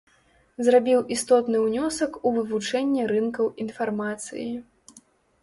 Зрабіў істотны ўнёсак у вывучэнне рынкаў інфармацыі.